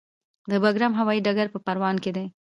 د بګرام هوايي ډګر په پروان کې دی